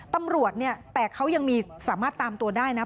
ตำรวจเนี่ยแต่เขายังมีสามารถตามตัวได้นะ